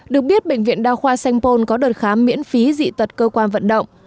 được biết bệnh viện đa khoa sanh pôn có đợt khám miễn phí dị tật cơ quan vận động